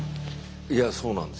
いやそうなんです。